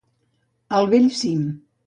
Al bell cim.